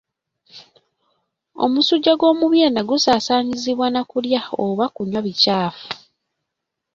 Omusujja gw'omubyenda gusaasaanyizibwa na kulya oba kunywa bikyafu.